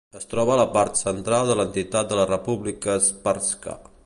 Es troba a la part central de l'entitat de la Republika Sprska.